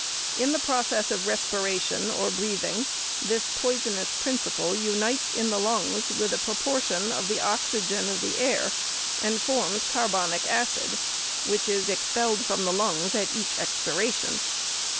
[u the process of respiration or breathing, this poisonous principle unites in the lungs with a proportion of the oxygen of the air, and APPENDIX. 565 forms carbonic acid, which is expelled from the lungs at each expira tion.